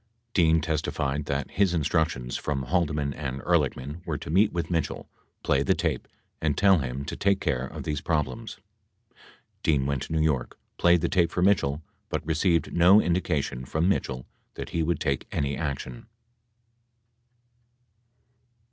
Dean testified that his in structions from Haldeman and Ehrlichman were to meet with Mitchell, play the tape, and tell him to take care of these problems. 2 Dean went to New York, played the tape for Mitchell, but received no indication from Mitchell that he would take any action.